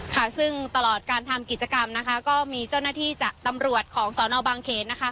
ค่ะซึ่งตลอดการทำกิจกรรมนะคะก็มีเจ้าหน้าที่จากตำรวจของสนบางเขนนะคะ